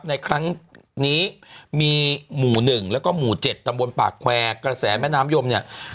ในครั้งนี้มีหมู่๑แล้วก็หมู่๗ตำบลปากแควร์กระแสแม่น้ำยมเนี่ย